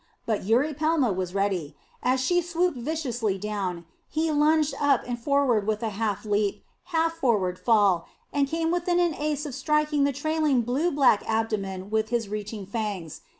But Eurypelma was ready. As she swooped viciously down, he lunged up and forward with a half leap, half forward fall, and came within an ace of striking the trailing blue black abdomen with his reaching fangs.